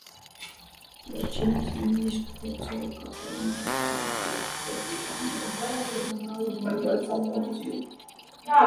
Վերջինս նույնիսկ փորձեր է կատարում վաճառել եղբոր կտավները, բայց ապարդյուն։